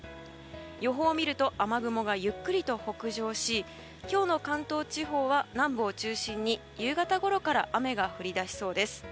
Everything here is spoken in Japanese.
予報を見ると雨雲がゆっくりと北上し今日の関東地方は南部を中心に夕方ごろから雨が降り出しそうです。